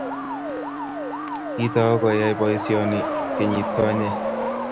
kitou koyai boisioni kenyitkonye